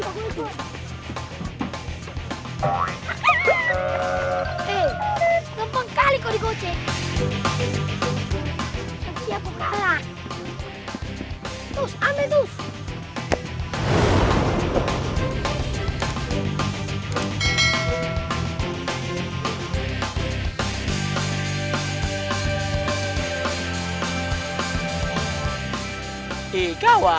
eh gampang kali kau digocek